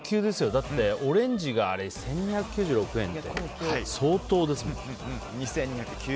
だって、オレンジが１２９６円って相当ですもん。